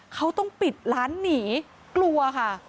เขาต้องปิดร้านหนีกลัวค่ะ